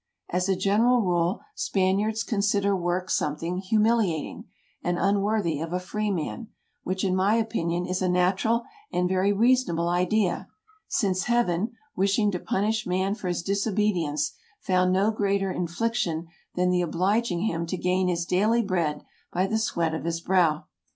As a general rule, Spaniards consider work something humiliating, and unworthy of a freeman, which, in my opinion, is a natural and very reasonable idea, since Heaven, wishing to punish man for his disobedience, found no greater infliction than the obliging him to gain his daily bread by the sweat of his brow.